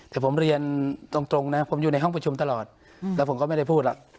แต่ผมเรียนตรงนะผมอยู่ในห้องประชุมตลอดแล้วผมก็ไม่ได้พูดหรอก